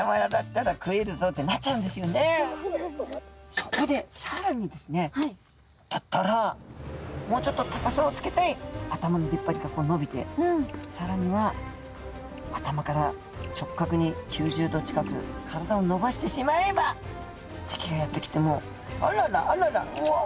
そこでさらにですねだったらもうちょっと高さをつけたい頭のでっぱりがこうのびてさらには頭から直角に９０度近く体をのばしてしまえば敵がやって来ても「あららあららうわ」。